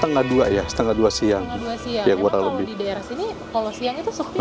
memang kalau di daerah sini kalau siang itu sepi atau